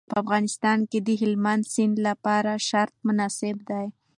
په افغانستان کې د هلمند سیند لپاره شرایط مناسب دي.